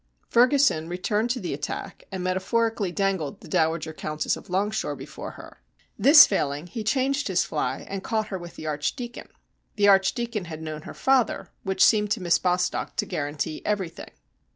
Ferguson returned to the attack, and, metaphorically, dangled the Dowager Countess of Longshore before her. This failing, he changed his fly, and caught her with the Archdeacon. The Archdeacon had known her father, and seemed to Miss Bostock to guarantee everything.